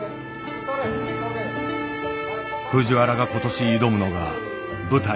藤原が今年挑むのが舞台